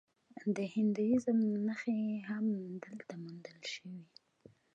د هندویزم نښې هم دلته موندل شوي